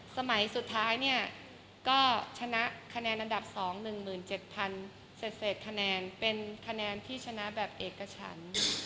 สมัยสุดท้ายเนี่ยก็ชนะคะแนนอันดับ๒๑๗๐๐เสร็จคะแนนเป็นคะแนนที่ชนะแบบเอกชั้น